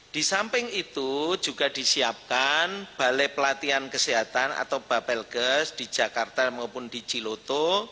di samping itu juga disiapkan balai pelatihan kesehatan atau bapelkes di jakarta maupun di ciloto